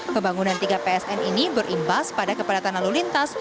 pembangunan tiga psn ini berimbas pada kepadatan lalu lintas